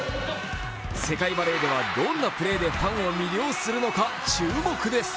世界バレーではどんなプレーでファンを魅了するのか、注目です。